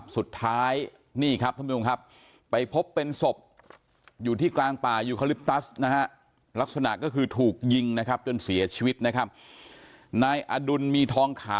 สุดท้ายนี่ครับท่านผู้ชมครับไปพบเป็นศพอยู่ที่กลางป่ายิวคลิปทัสลักษณะก็คือถูกยิงจนเสียชีวิต